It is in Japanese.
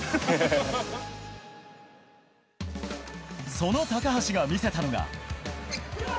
その高橋が見せたのが。